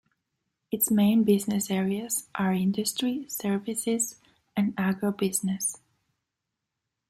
Its main business areas are industry, services and agro-business.